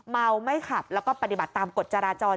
เมาไม่ขับแล้วก็ปฏิบัติตามกฎจราจร